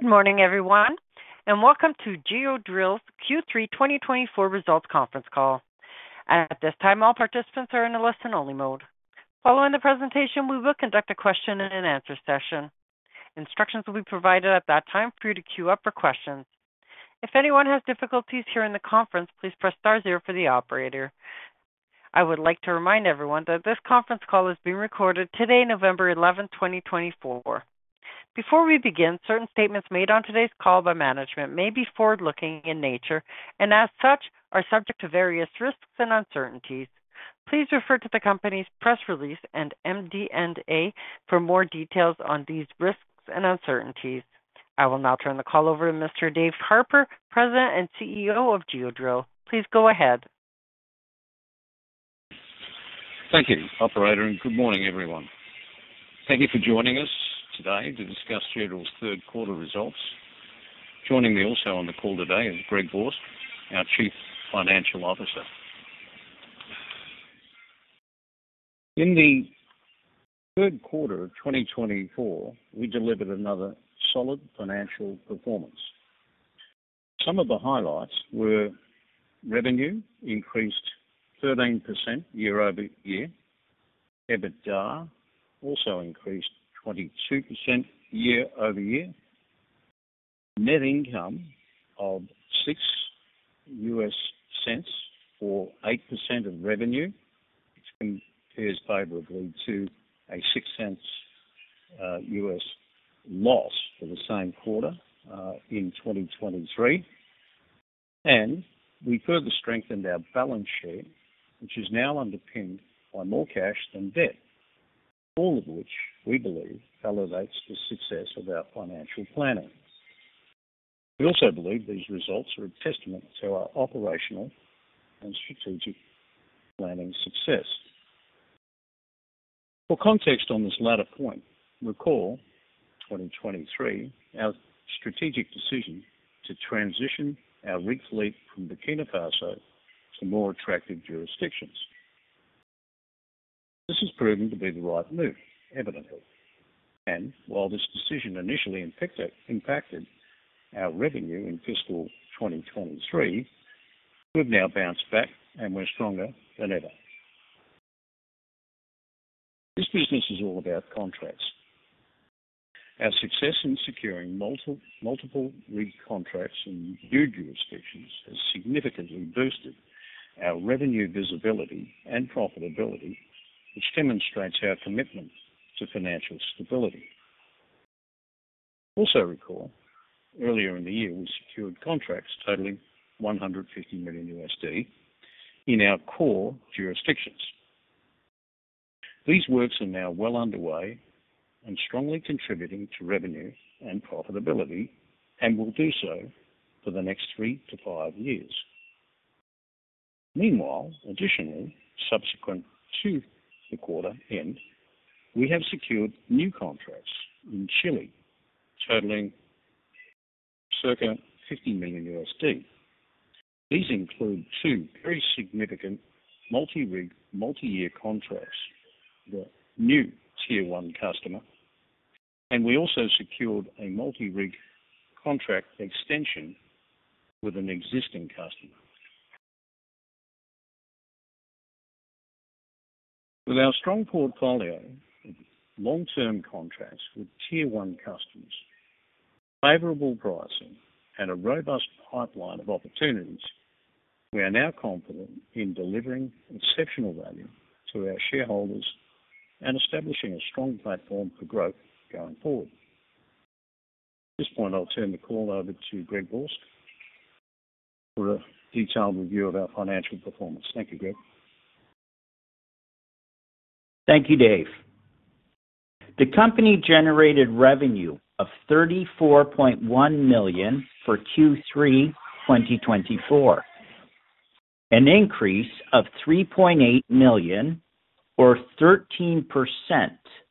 Good morning, everyone, and welcome to Geodrill's Q3 2024 results conference call. At this time, all participants are in a listen-only mode. Following the presentation, we will conduct a question-and-answer session. Instructions will be provided at that time for you to queue up for questions. If anyone has difficulties hearing the conference, please press star zero for the operator. I would like to remind everyone that this conference call is being recorded today, November 11th, 2024. Before we begin, certain statements made on today's call by management may be forward-looking in nature and, as such, are subject to various risks and uncertainties. Please refer to the company's press release and MD&A for more details on these risks and uncertainties. I will now turn the call over to Mr. Dave Harper, President and CEO of Geodrill. Please go ahead. Thank you, Operator, and good morning, everyone. Thank you for joining us today to discuss Geodrill's third-quarter results. Joining me also on the call today is Greg Borsk, our Chief Financial Officer. In the third quarter of 2024, we delivered another solid financial performance. Some of the highlights were revenue increased 13% year over year. EBITDA also increased 22% year over year. Net income of $0.06 for 8% of revenue. It compares favorably to a $0.06 US loss for the same quarter in 2023. We further strengthened our balance sheet, which is now underpinned by more cash than debt, all of which we believe elevates the success of our financial planning. We also believe these results are a testament to our operational and strategic planning success. For context on this latter point, recall 2023, our strategic decision to transition our rig fleet from Burkina Faso to more attractive jurisdictions. This has proven to be the right move, evidently. And while this decision initially impacted our revenue in fiscal 2023, we've now bounced back and we're stronger than ever. This business is all about contracts. Our success in securing multiple rig contracts in new jurisdictions has significantly boosted our revenue visibility and profitability, which demonstrates our commitment to financial stability. Also recall, earlier in the year, we secured contracts totaling $150 million in our core jurisdictions. These works are now well underway and strongly contributing to revenue and profitability and will do so for the next three to five years. Meanwhile, additionally, subsequent to the quarter end, we have secured new contracts in Chile totaling circa $50 million. These include two very significant multi-rig, multi-year contracts, the new Tier one customer, and we also secured a multi-rig contract extension with an existing customer. With our strong portfolio of long-term contracts with Tier one customers, favorable pricing, and a robust pipeline of opportunities, we are now confident in delivering exceptional value to our shareholders and establishing a strong platform for growth going forward. At this point, I'll turn the call over to Greg Borsk for a detailed review of our financial performance. Thank you, Greg. Thank you, Dave. The company generated revenue of $34.1 million for Q3 2024, an increase of $3.8 million or 13%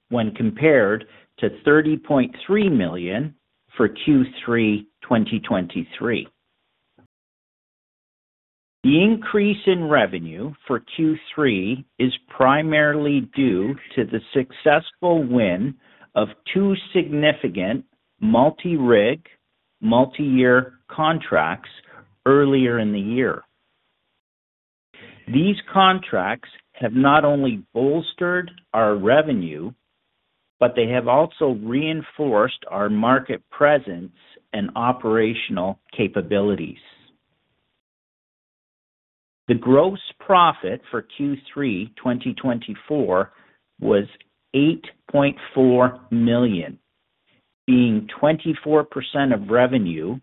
when compared to $30.3 million for Q3 2023. The increase in revenue for Q3 is primarily due to the successful win of two significant multi-rig, multi-year contracts earlier in the year. These contracts have not only bolstered our revenue, but they have also reinforced our market presence and operational capabilities. The gross profit for Q3 2024 was $8.4 million, being 24% of revenue,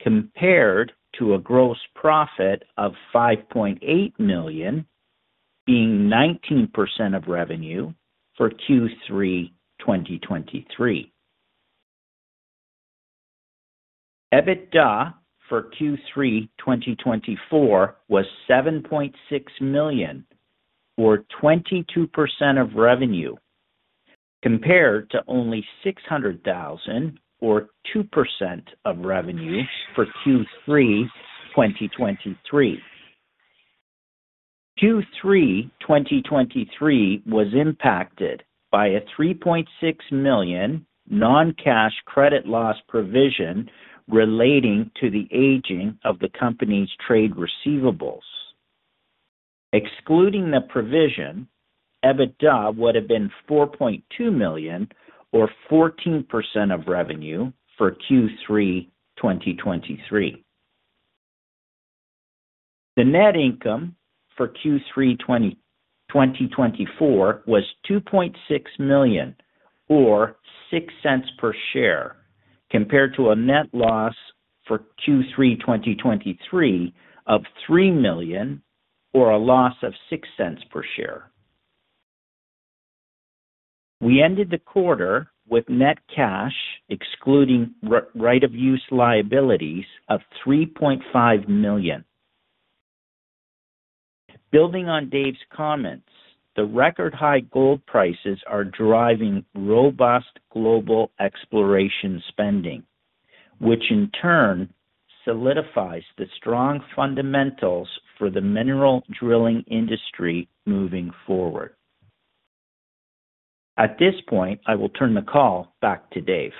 compared to a gross profit of $5.8 million, being 19% of revenue for Q3 2023. EBITDA for Q3 2024 was $7.6 million, or 22% of revenue, compared to only $600,000, or 2% of revenue for Q3 2023. Q3 2023 was impacted by a $3.6 million non-cash credit loss provision relating to the aging of the company's trade receivables. Excluding the provision, EBITDA would have been $4.2 million, or 14% of revenue for Q3 2023. The net income for Q3 2024 was $2.6 million, or $0.06 per share, compared to a net loss for Q3 2023 of $3 million, or a loss of $0.06 per share. We ended the quarter with net cash, excluding right-of-use liabilities, of $3.5 million. Building on Dave's comments, the record-high gold prices are driving robust global exploration spending, which in turn solidifies the strong fundamentals for the mineral drilling industry moving forward. At this point, I will turn the call back to Dave.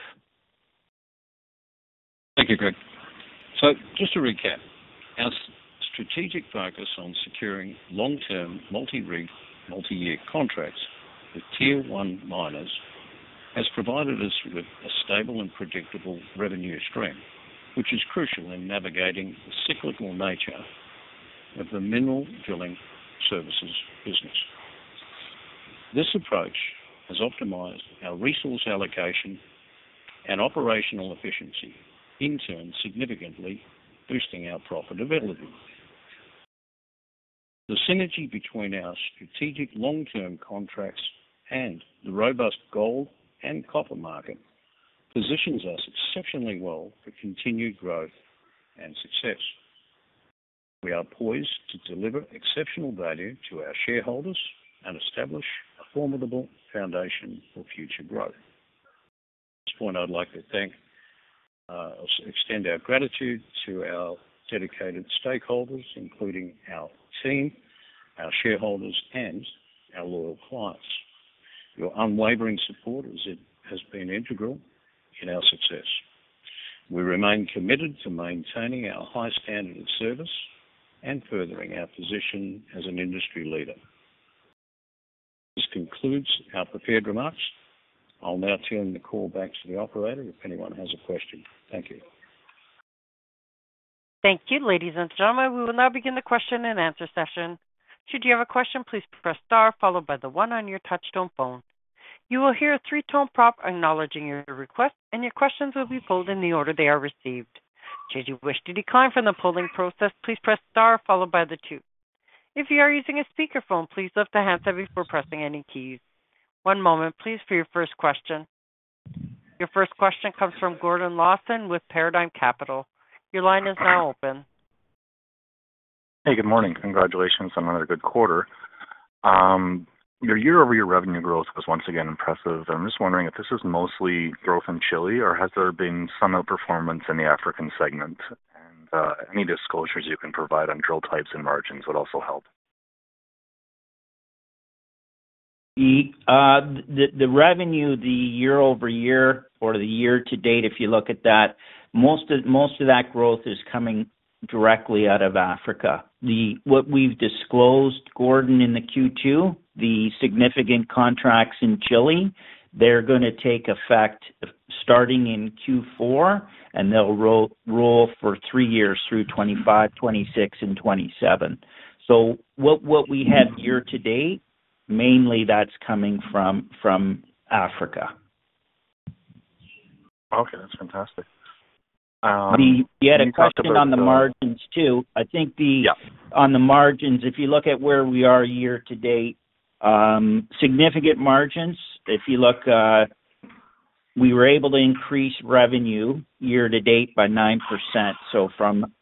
Thank you, Greg. So just to recap, our strategic focus on securing long-term multi-rig, multi-year contracts with Tier one miners has provided us with a stable and predictable revenue stream, which is crucial in navigating the cyclical nature of the mineral drilling services business. This approach has optimized our resource allocation and operational efficiency, in turn significantly boosting our profitability. The synergy between our strategic long-term contracts and the robust gold and copper market positions us exceptionally well for continued growth and success. We are poised to deliver exceptional value to our shareholders and establish a formidable foundation for future growth. At this point, I'd like to extend our gratitude to our dedicated stakeholders, including our team, our shareholders, and our loyal clients. Your unwavering support has been integral in our success. We remain committed to maintaining our high standard of service and furthering our position as an industry leader. This concludes our prepared remarks. I'll now turn the call back to the Operator if anyone has a question. Thank you. Thank you, ladies and gentlemen. We will now begin the question-and-answer session. Should you have a question, please press star, followed by the one on your touch-tone phone. You will hear a three-tone prompt acknowledging your request, and your questions will be pulled in the order they are received. Should you wish to decline from the polling process, please press star, followed by the two. If you are using a speakerphone, please lift the handset before pressing any keys. One moment, please, for your first question. Your first question comes from Gordon Lawson with Paradigm Capital. Your line is now open. Hey, good morning. Congratulations on another good quarter. Your year-over-year revenue growth was once again impressive. I'm just wondering if this is mostly growth in Chile, or has there been some outperformance in the African segment? Any disclosures you can provide on drill types and margins would also help. The revenue, the year-over-year or the year-to-date, if you look at that, most of that growth is coming directly out of Africa. What we've disclosed, Gordon, in the Q2, the significant contracts in Chile, they're going to take effect starting in Q4, and they'll roll for three years through 2025, 2026, and 2027, so what we have year-to-date, mainly that's coming from Africa. Okay. That's fantastic. We had a question on the margins too. I think on the margins, if you look at where we are year-to-date, significant margins, if you look, we were able to increase revenue year-to-date by 9%. So from,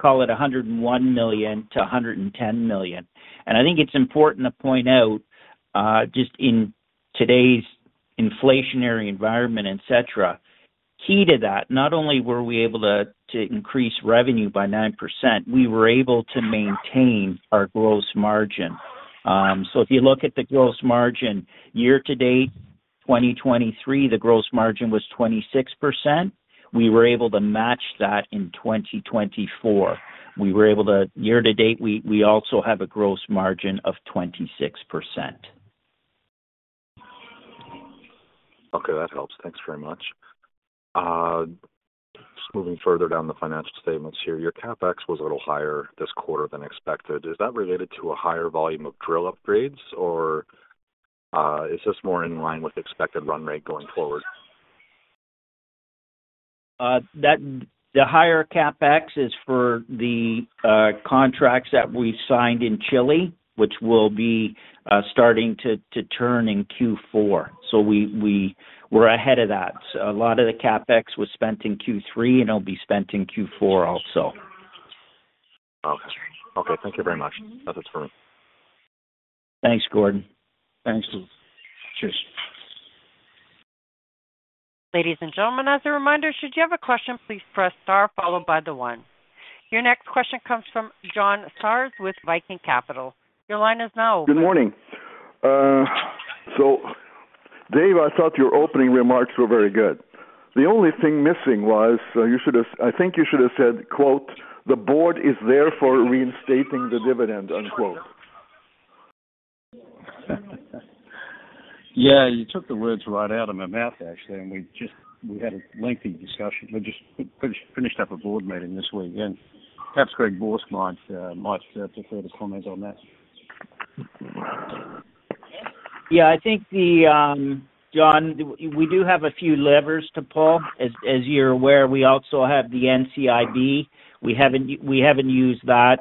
call it $101 million-$110 million. And I think it's important to point out, just in today's inflationary environment, etc., key to that, not only were we able to increase revenue by 9%, we were able to maintain our gross margin. So if you look at the gross margin year-to-date 2023, the gross margin was 26%. We were able to match that in 2024. We were able to, year-to-date, we also have a gross margin of 26%. Okay. That helps. Thanks very much. Just moving further down the financial statements here. Your CapEx was a little higher this quarter than expected. Is that related to a higher volume of drill upgrades, or is this more in line with expected run rate going forward? The higher CapEx is for the contracts that we signed in Chile, which will be starting to turn in Q4. So we're ahead of that. A lot of the CapEx was spent in Q3, and it'll be spent in Q4 also. Okay. Okay. Thank you very much. That's it for me. Thanks, Gordon. Thanks. Cheers. Ladies and gentlemen, as a reminder, should you have a question, please press star, followed by the one. Your next question comes from John Sartz with Viking Capital. Your line is now open. Good morning. So Dave, I thought your opening remarks were very good. The only thing missing was, I think you should have said, "The board is there for reinstating the dividend. Yeah. Took the words right out of my mouth, actually, and we had a lengthy discussion. We just finished up a board meeting this week, and perhaps Greg Borsk might prefer to comment on that. Yeah. I think, John, we do have a few levers to pull. As you're aware, we also have the NCIB. We haven't used that.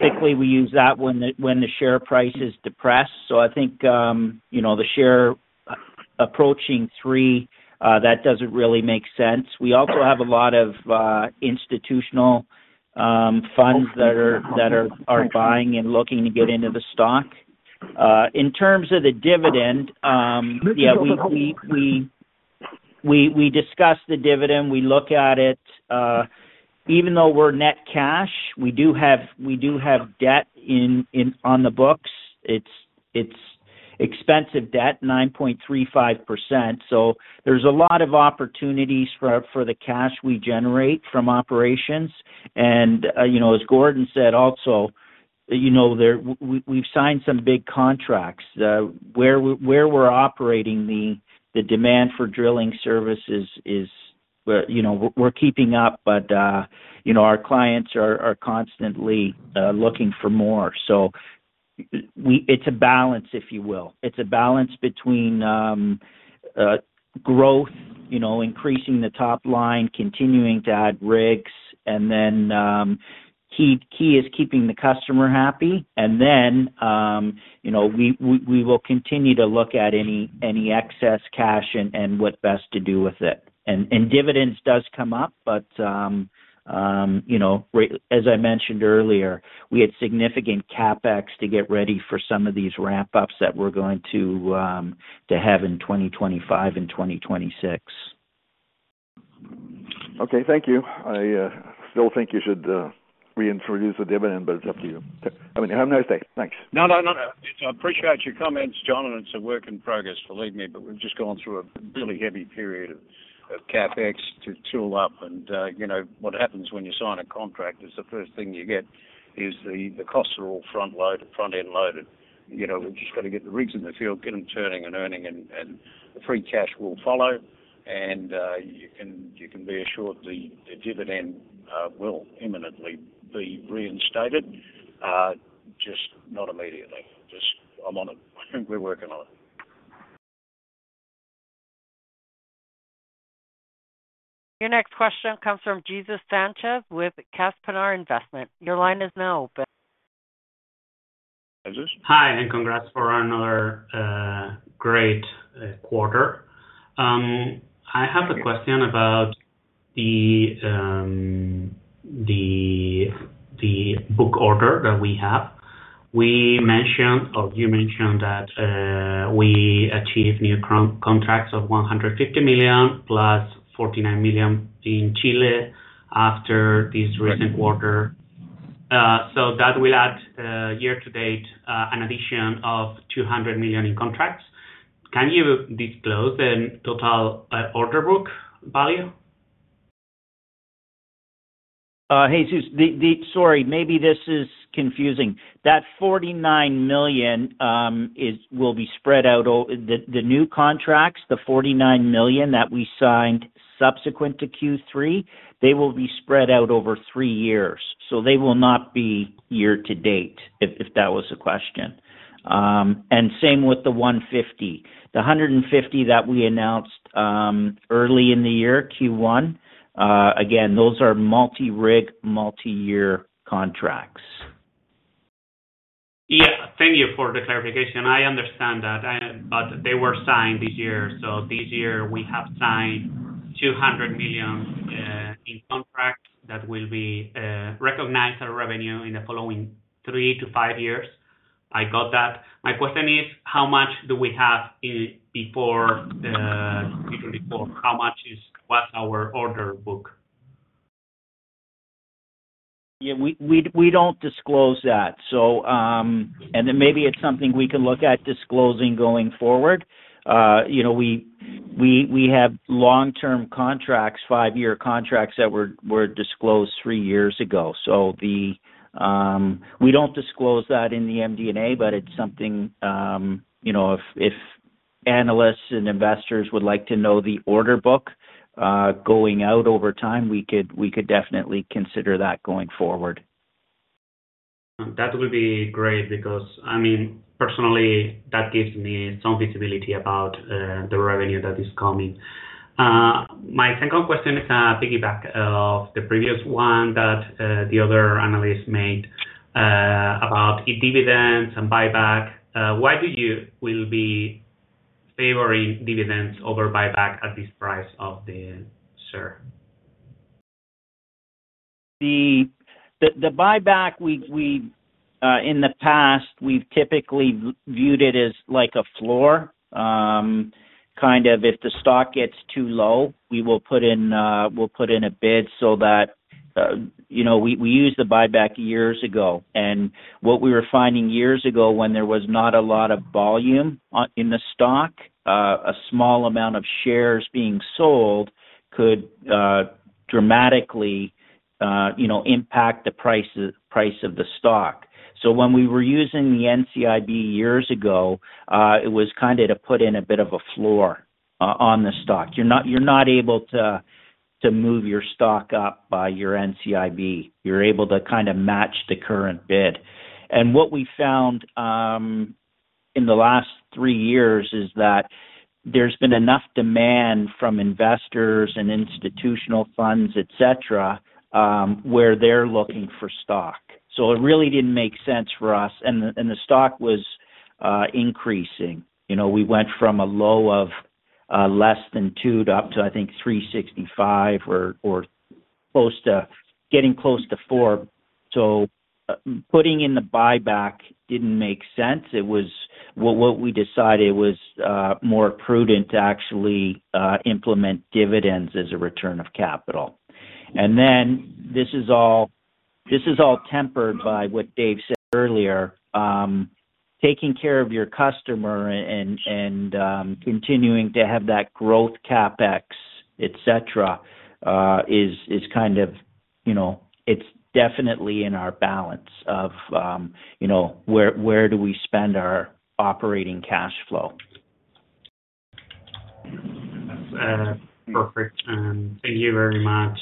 Typically, we use that when the share price is depressed. So I think the share approaching three, that doesn't really make sense. We also have a lot of institutional funds that are buying and looking to get into the stock. In terms of the dividend, yeah, we discuss the dividend. We look at it. Even though we're net cash, we do have debt on the books. It's expensive debt, 9.35%. So there's a lot of opportunities for the cash we generate from operations. And as Gordon said also, we've signed some big contracts. Where we're operating, the demand for drilling services is we're keeping up, but our clients are constantly looking for more. So it's a balance, if you will. It's a balance between growth, increasing the top line, continuing to add rigs, and the key is keeping the customer happy. We will continue to look at any excess cash and what best to do with it. Dividends do come up, but as I mentioned earlier, we had significant CapEx to get ready for some of these ramp-ups that we're going to have in 2025 and 2026. Okay. Thank you. I still think you should reintroduce the dividend, but it's up to you. I mean, have a nice day. Thanks. No, no, no, no. I appreciate your comments, John, and it's a work in progress, believe me. But we've just gone through a really heavy period of CapEx to tool up. And what happens when you sign a contract is the first thing you get is the costs are all front-end loaded. We've just got to get the rigs in the field, get them turning and earning, and the free cash will follow. And you can be assured the dividend will imminently be reinstated, just not immediately. Just I'm on it. We're working on it. Your next question comes from Jesus Sanchez with Kaspinar Investment. Your line is now open. Hi, and congrats for another great quarter. I have a question about the order book that we have. We mentioned, or you mentioned, that we achieved new contracts of $150 million plus $49 million in Chile after this recent quarter. So that will add, year-to-date, an addition of $200 million in contracts. Can you disclose the total order book value? Hey, Jesus, sorry, maybe this is confusing. That $49 million will be spread out over the new contracts, the $49 million that we signed subsequent to Q3, they will be spread out over three years. So they will not be year-to-date, if that was the question. And same with the $150 million. The $150 million that we announced early in the year, Q1, again, those are multi-rig, multi-year contracts. Yeah. Thank you for the clarification. I understand that, but they were signed this year. So this year, we have signed $200 million in contracts that will be recognized as revenue in the following three to five years. I got that. My question is, how much do we have before Q4? How much was our order book? Yeah. We don't disclose that. And then maybe it's something we can look at disclosing going forward. We have long-term contracts, five-year contracts that were disclosed three years ago. So we don't disclose that in the MD&A, but it's something if analysts and investors would like to know the order book going out over time, we could definitely consider that going forward. That would be great because, I mean, personally, that gives me some visibility about the revenue that is coming. My second question is a piggyback of the previous one that the other analyst made about dividends and buyback. Why do you will be favoring dividends over buyback at this price of the share? The buyback, in the past, we've typically viewed it as like a floor. Kind of if the stock gets too low, we will put in a bid so that we used the buyback years ago. And what we were finding years ago when there was not a lot of volume in the stock, a small amount of shares being sold could dramatically impact the price of the stock. So when we were using the NCIB years ago, it was kind of to put in a bit of a floor on the stock. You're not able to move your stock up by your NCIB. You're able to kind of match the current bid. And what we found in the last three years is that there's been enough demand from investors and institutional funds, etc., where they're looking for stock. So it really didn't make sense for us. The stock was increasing. We went from a low of less than $2 to up to, I think, $3.65 or getting close to $4. Putting in the buyback didn't make sense. It was what we decided was more prudent to actually implement dividends as a return of capital. This is all tempered by what Dave said earlier. Taking care of your customer and continuing to have that growth CapEx, etc., is kind of, it's definitely in our balance of where do we spend our operating cash flow. Perfect. Thank you very much,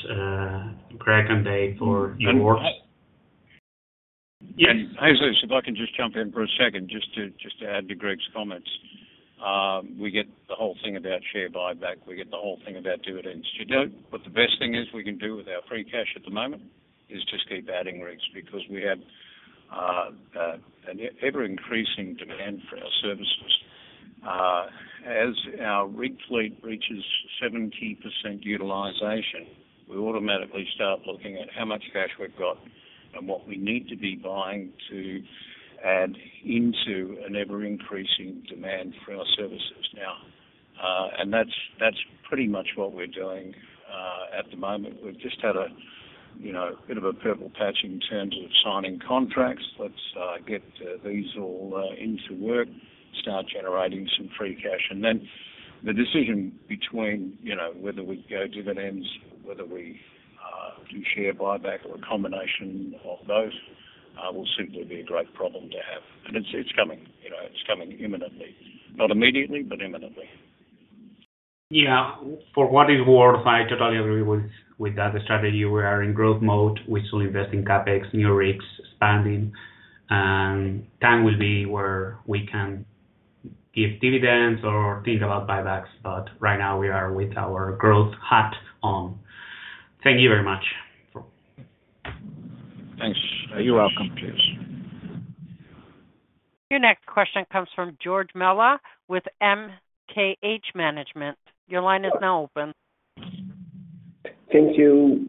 Greg and Dave, for your work. Yes. Hey, Jesus, if I can just jump in for a second, just to add to Greg's comments. We get the whole thing about share buyback. We get the whole thing about dividends. But the best thing is we can do with our free cash at the moment is just keep adding rigs because we have an ever-increasing demand for our services. As our rig fleet reaches 70% utilization, we automatically start looking at how much cash we've got and what we need to be buying to add into an ever-increasing demand for our services. Now, and that's pretty much what we're doing at the moment. We've just had a bit of a purple patch in terms of signing contracts. Let's get these all into work, start generating some free cash. And then the decision between whether we go dividends, whether we do share buyback, or a combination of those will simply be a great problem to have. And it's coming. It's coming imminently. Not immediately, but imminently. Yeah. For what it's worth, I totally agree with that strategy. We are in growth mode. We still invest in CapEx, new rigs, spending. And time will be where we can give dividends or think about buybacks. But right now, we are with our growth hat on. Thank you very much. Thanks. You're welcome, Jesus. Your next question comes from George Mela with MKH Management. Your line is now open. Thank you.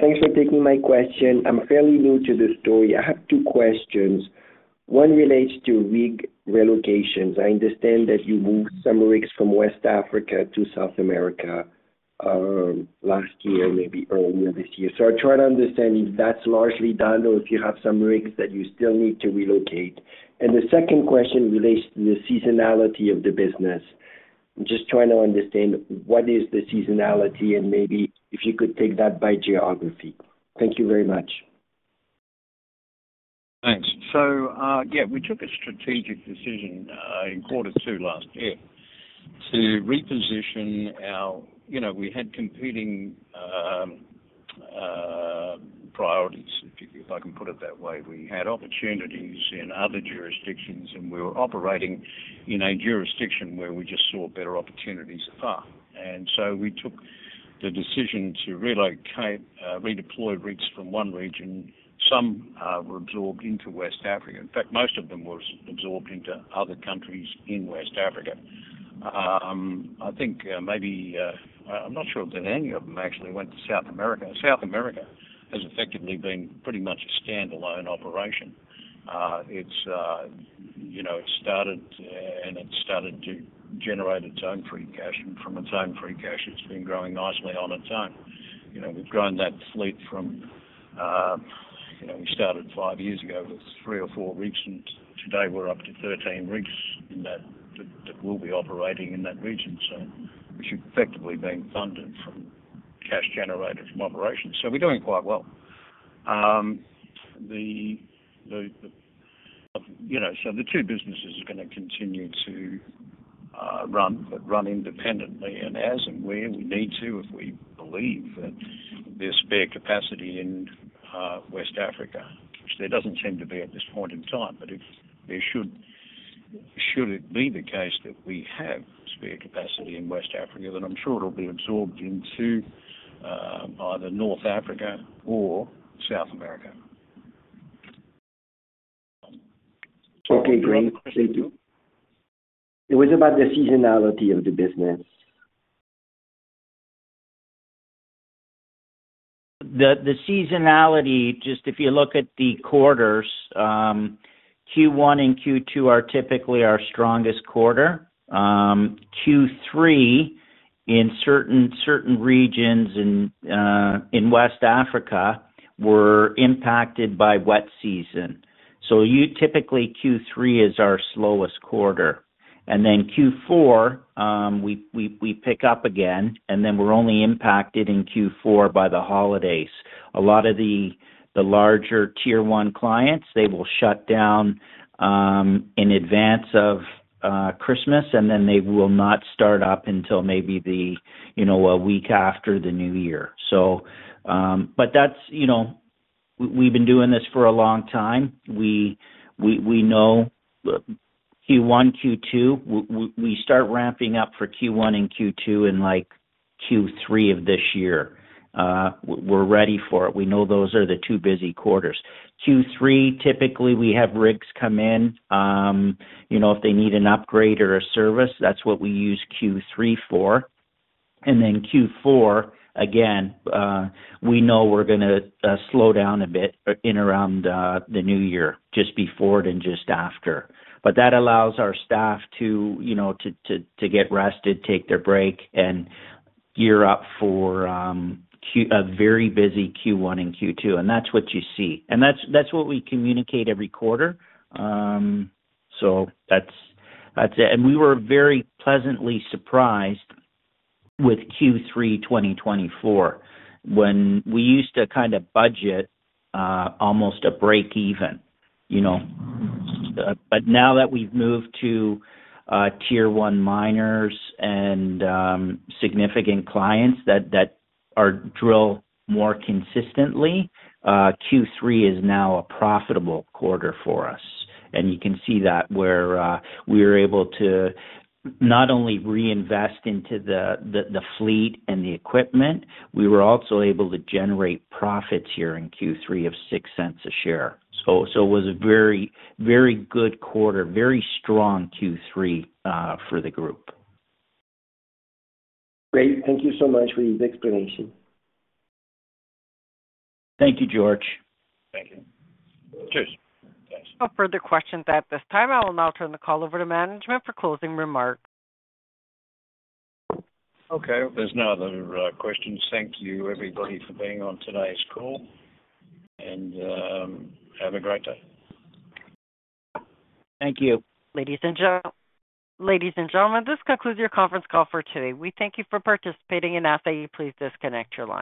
Thanks for taking my question. I'm fairly new to this story. I have two questions. One relates to rig relocations. I understand that you moved some rigs from West Africa to South America last year, maybe earlier this year, so I try to understand if that's largely done or if you have some rigs that you still need to relocate, and the second question relates to the seasonality of the business. I'm just trying to understand what is the seasonality and maybe if you could take that by geography? Thank you very much. Thanks. So yeah, we took a strategic decision in quarter two last year to reposition ourselves. We had competing priorities, if I can put it that way. We had opportunities in other jurisdictions, and we were operating in a jurisdiction where we just saw better opportunities afar. And so we took the decision to relocate, redeploy rigs from one region. Some were absorbed into West Africa. In fact, most of them were absorbed into other countries in West Africa. I think maybe I'm not sure that any of them actually went to South America. South America has effectively been pretty much a standalone operation. It started, and it started to generate its own free cash. And from its own free cash, it's been growing nicely on its own. We've grown that fleet from we started five years ago with three or four rigs, and today we're up to 13 rigs that will be operating in that region, so we should effectively have been funded from cash generated from operations, so we're doing quite well, so the two businesses are going to continue to run, but run independently and as and where we need to if we believe that there's spare capacity in West Africa, which there doesn't seem to be at this point in time, but if there should be the case that we have spare capacity in West Africa, then I'm sure it'll be absorbed into either North Africa or South America. Talking to you, Greg. It was about the seasonality of the business. The seasonality, just if you look at the quarters, Q1 and Q2 are typically our strongest quarter. Q3, in certain regions in West Africa, were impacted by wet season, so typically, Q3 is our slowest quarter, and then Q4, we pick up again, and then we're only impacted in Q4 by the holidays. A lot of the larger tier one clients, they will shut down in advance of Christmas, and then they will not start up until maybe a week after the New Year, but we've been doing this for a long time. We know Q1, Q2, we start ramping up for Q1 and Q2 and Q3 of this year. We're ready for it. We know those are the two busy quarters. Q3, typically, we have rigs come in. If they need an upgrade or a service, that's what we use Q3 for. And then Q4, again, we know we're going to slow down a bit in and around the New Year, just before it and just after. But that allows our staff to get rested, take their break, and gear up for a very busy Q1 and Q2. And that's what you see. And that's what we communicate every quarter. So that's it. And we were very pleasantly surprised with Q3 2024 when we used to kind of budget almost a break-even. But now that we've moved to Tier one miners and significant clients that drill more consistently, Q3 is now a profitable quarter for us. And you can see that where we were able to not only reinvest into the fleet and the equipment, we were also able to generate profits here in Q3 of $0.06 a share. So it was a very good quarter, very strong Q3 for the group. Great. Thank you so much for these explanations. Thank you, George. Thank you. Cheers. Thanks. No further questions at this time. I will now turn the call over to management for closing remarks. Okay. There's no other questions. Thank you, everybody, for being on today's call, and have a great day. Thank you. Ladies and gentlemen, this concludes your conference call for today. We thank you for participating in ASAE. Please disconnect your lines.